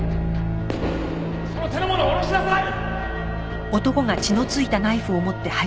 その手の物を下ろしなさい！